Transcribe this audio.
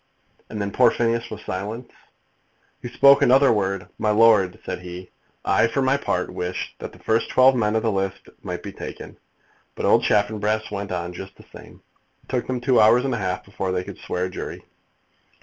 "And then poor Phineas was silenced?" "He spoke another word. 'My lord,' said he, 'I for my part wish that the first twelve men on the list might be taken.' But old Chaffanbrass went on just the same. It took them two hours and a half before they could swear a jury."